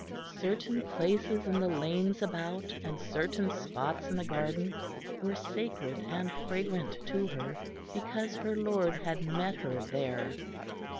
Certain places in the lanes about, and certain spots in the garden, were sacred and fragrant to her because her Lord had met her there.